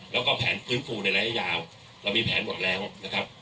แล้วก็แผนฟื้นฟูในระยะยาวเรามีแผนหมดแล้วนะครับ